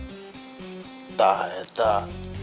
entah ya entah